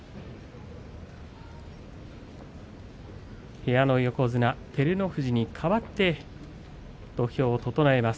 部屋の横綱、照ノ富士に代わって土俵を整えます。